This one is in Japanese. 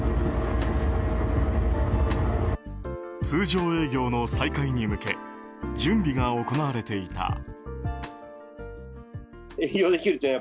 通常営業の再開に向け準備が行われていた。